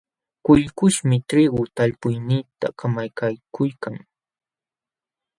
Kullkuśhmi triigu talpuyniita kamakaykuykan.